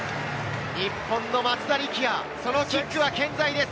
日本の松田力也、そのキックは健在です。